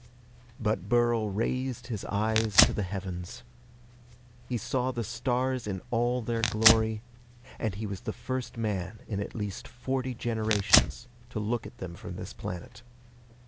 But Burl raised his eyes to the heavens. He saw the stars in all their glory, and he was the first man in at least forty generations to look at them from this planet.